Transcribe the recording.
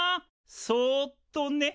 そっとね。